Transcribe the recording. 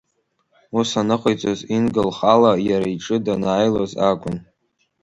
Ус аныҟаиҵоз, Инга лхала иара иҿы данааилоз акәын.